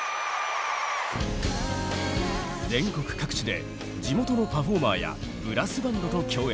全国各地で地元のパフォーマーやブラスバンドと共演。